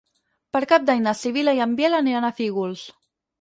Per Cap d'Any na Sibil·la i en Biel aniran a Fígols.